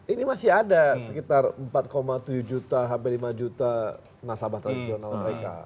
ini masih ada sekitar empat tujuh juta sampai lima juta nasabah tradisional mereka